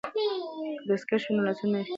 که دستکش وي نو لاسونه نه یخیږي.